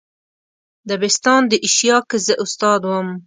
دبستان د ایشیا که زه استاد وم.